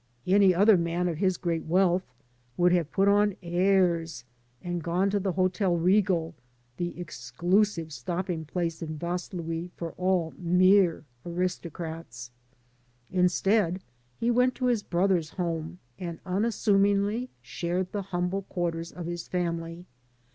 Any other man of his great wealth would have put on airs and gone to the Hotel Regal, the exdusive stopping place in Vaslui for all mere aristocrats. In stead, he went to his brother's home and unassumingly shared the humble quarters of his family.